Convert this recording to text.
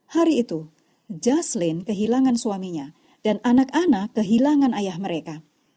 hari itu jaseline kehilangan suaminya dan anak anak kehilangan ayah mereka